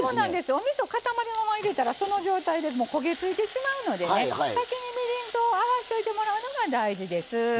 おみそ、塊のまま入れたらその状態で焦げ付いてしまうので先に、みりんと合わせておいてもらうのが大事です。